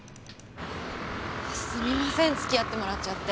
すみません付き合ってもらっちゃって。